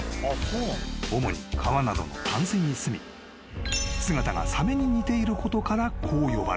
［主に川などの淡水にすみ姿がサメに似ていることからこう呼ばれる］